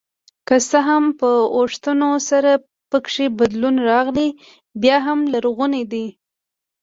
که څه هم په اوښتون سره پکې بدلون راغلی بیا هم لرغوني دي.